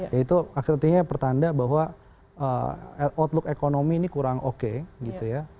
ya itu akhirnya pertanda bahwa outlook ekonomi ini kurang oke gitu ya